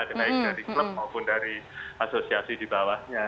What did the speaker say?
baik dari klub maupun dari asosiasi di bawahnya